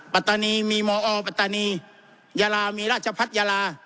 ปัตตานีมีมอปัตตานียาลามีราชพัฒนยาลา